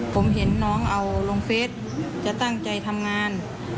ผมเห็นน้องเอาลงเฟสจะตั้งใจทำงาน